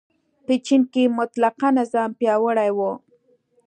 په چین کې مطلقه نظام پیاوړی و.